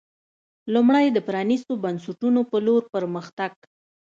لومړی د پرانېستو بنسټونو په لور پر مخ تګ